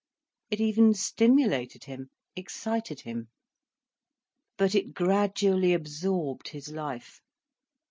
It even stimulated him, excited him. But it gradually absorbed his life.